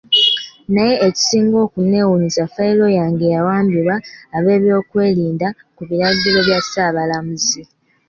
Naye ekisinga okunneewuunyisa fayiro yange yawambiddwa ab'ebyokwerinda ku biragiro bya Ssaabalamuzi.